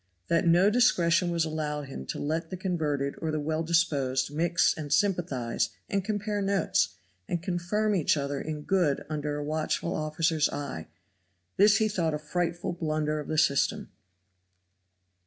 That no discretion was allowed him to let the converted or the well disposed mix and sympathize, and compare notes, and confirm each other in good under a watchful officer's eye; this he thought a frightful blunder of the system.